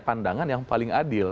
pandangan yang paling adil